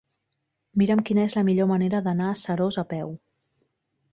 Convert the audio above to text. Mira'm quina és la millor manera d'anar a Seròs a peu.